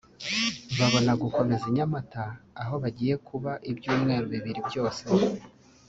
babona gukomereza i Nyamata aho bagiye kuba ibyumweru bibiri byose